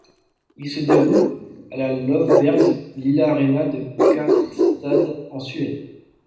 Ils se déroulent à la Löfbergs Lila Arena de Karlstad en Suède.